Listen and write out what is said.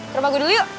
ke rumah gue dulu yuk